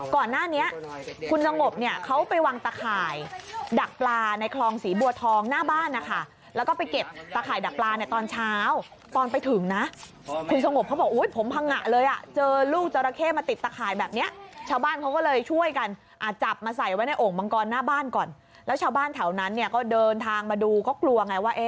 ก่อนหน้านี้คุณสงบเนี่ยเขาไปวางตะข่ายดักปลาในคลองศรีบัวทองหน้าบ้านนะคะแล้วก็ไปเก็บตะข่ายดักปลาในตอนเช้าตอนไปถึงนะคุณสงบเขาบอกอุ้ยผมพังงะเลยอ่ะเจอลูกจราเข้มาติดตะข่ายแบบนี้ชาวบ้านเขาก็เลยช่วยกันจับมาใส่ไว้ในโอ่งมังกรหน้าบ้านก่อนแล้วชาวบ้านแถวนั้นเนี่ยก็เดินทางมาดูก็กลัวไงว่าเอ